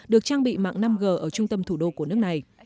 được trang bị mạng năm g ở trung tâm thủ đô của nước này